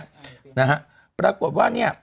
นะฮะปรากฏว่าเนี่ย